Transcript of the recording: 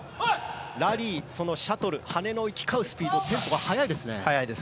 ラリー、シャトル羽根の行き交うスピードテンポが速いですね。